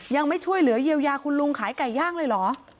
ยังไม่ช่วยเหลือเยียวยาคุณลุงขายไก่ย่างเลยเหรอ